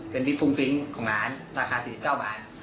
เป็นพริกฟุ้งฟิ้งของร้านราคา๔๙บาท